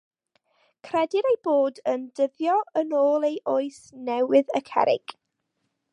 Credir eu bod yn dyddio yn ôl i Oes Newydd y Cerrig.